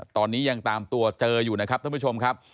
ตอนนี้ยังตามตัวเจออยู่นะครับท่านผู้ชมครับ